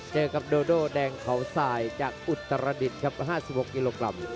เจอกับโดโดแดงเขาสายจากอุตรดิษฐ์ครับ๕๖กิโลกรัม